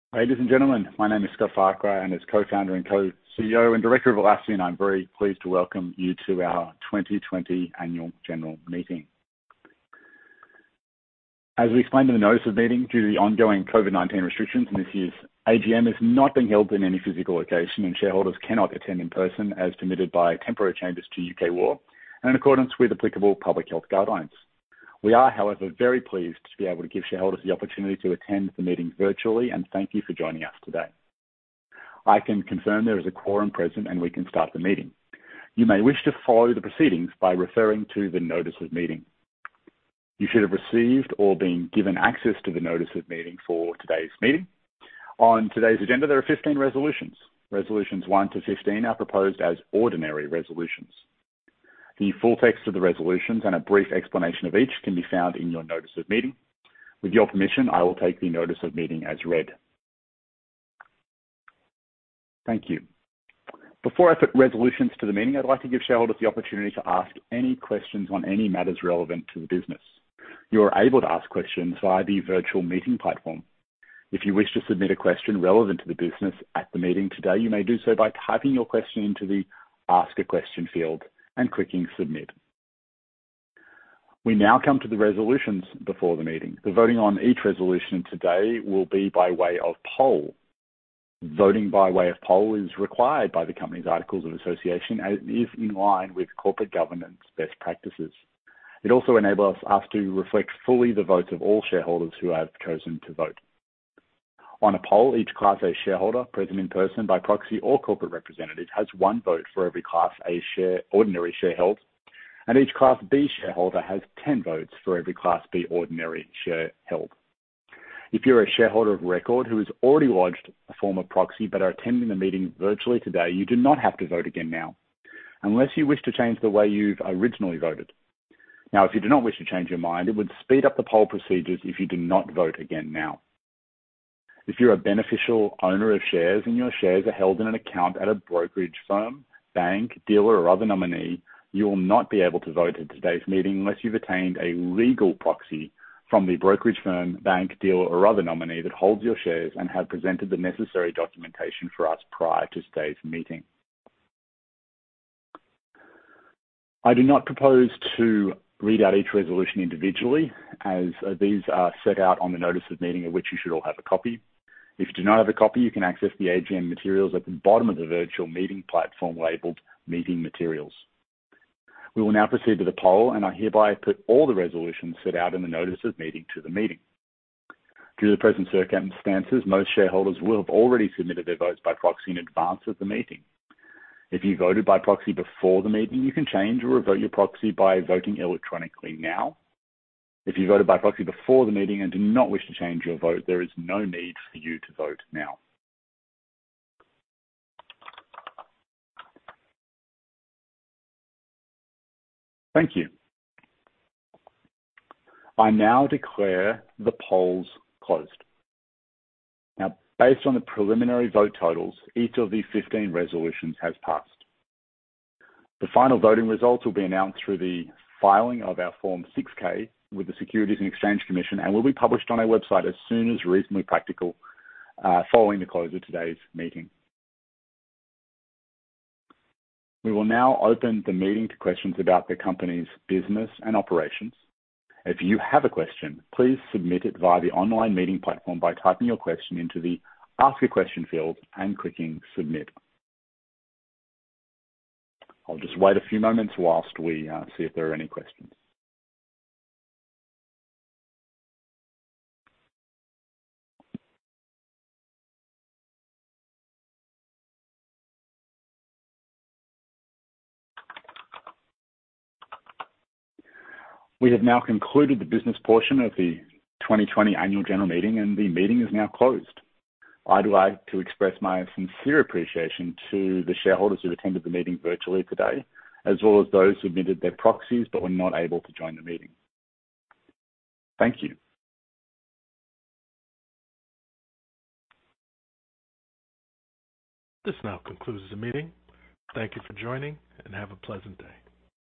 Ladies and gentlemen, my name is Scott Farquhar, and as Co-Founder and co-CEO and director of Atlassian, I'm very pleased to welcome you to our 2020 Annual General Meeting. As we explained in the notice of meeting, due to the ongoing COVID-19 restrictions, this year's AGM is not being held in any physical location, and shareholders cannot attend in person, as permitted by temporary changes to U.K. law and in accordance with applicable public health guidelines. We are, however, very pleased to be able to give shareholders the opportunity to attend the meeting virtually, and thank you for joining us today. I can confirm there is a quorum present, and we can start the meeting. You may wish to follow the proceedings by referring to the notice of meeting. You should have received or been given access to the notice of meeting for today's meeting. On today's agenda, there are 15 resolutions. Resolutions one to 15 are proposed as ordinary resolutions. The full text of the resolutions and a brief explanation of each can be found in your notice of meeting. With your permission, I will take the notice of meeting as read. Thank you. Before I put resolutions to the meeting, I'd like to give shareholders the opportunity to ask any questions on any matters relevant to the business. You are able to ask questions via the virtual meeting platform. If you wish to submit a question relevant to the business at the meeting today, you may do so by typing your question into the Ask a Question field and clicking Submit. We now come to the resolutions before the meeting. The voting on each resolution today will be by way of poll. Voting by way of poll is required by the company's articles of association and is in line with corporate governance best practices. It also enables us to reflect fully the votes of all shareholders who have chosen to vote. On a poll, each Class A shareholder present in person, by proxy, or corporate representative has one vote for every Class A ordinary share held, and each Class B shareholder has 10 votes for every Class B ordinary share held. If you're a shareholder of record who has already lodged a form of proxy but are attending the meeting virtually today, you do not have to vote again now, unless you wish to change the way you've originally voted. Now, if you do not wish to change your mind, it would speed up the poll procedures if you do not vote again now. If you're a beneficial owner of shares and your shares are held in an account at a brokerage firm, bank, dealer, or other nominee, you will not be able to vote at today's meeting unless you've obtained a legal proxy from the brokerage firm, bank, dealer, or other nominee that holds your shares and have presented the necessary documentation for us prior to today's meeting. I do not propose to read out each resolution individually, as these are set out on the notice of meeting of which you should all have a copy. If you do not have a copy, you can access the AGM materials at the bottom of the virtual meeting platform labeled Meeting Materials. We will now proceed to the poll, and I hereby put all the resolutions set out in the notice of meeting to the meeting. Due to the present circumstances, most shareholders will have already submitted their votes by proxy in advance of the meeting. If you voted by proxy before the meeting, you can change or revoke your proxy by voting electronically now. If you voted by proxy before the meeting and do not wish to change your vote, there is no need for you to vote now. Thank you. I now declare the polls closed. Now, based on the preliminary vote totals, each of the 15 resolutions has passed. The final voting results will be announced through the filing of our Form 6-K with the Securities and Exchange Commission and will be published on our website as soon as reasonably practical following the close of today's meeting. We will now open the meeting to questions about the company's business and operations. If you have a question, please submit it via the online meeting platform by typing your question into the Ask a Question field and clicking Submit. I'll just wait a few moments while we see if there are any questions. We have now concluded the business portion of the 2020 Annual General Meeting, and the meeting is now closed. I'd like to express my sincere appreciation to the shareholders who attended the meeting virtually today, as well as those who submitted their proxies but were not able to join the meeting. Thank you. This now concludes the meeting. Thank you for joining, and have a pleasant day.